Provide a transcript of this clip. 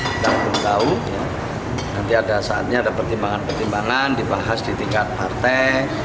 kita belum tahu nanti ada saatnya ada pertimbangan pertimbangan dibahas di tingkat partai